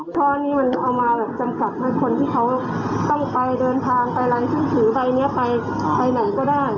ท่อนี้มันเอามาแบบจำกัดให้คนที่เขาต้องไปเดินทางไปร้านที่ถือใบนี้ไปไหนก็ได้